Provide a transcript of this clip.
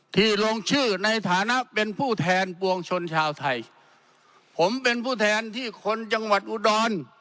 ที่ลงชื่อในฐานะเป็นผู้แทนปวงชนชาวไทยผมเป็นผู้แทนที่คนจังหวัดอุดร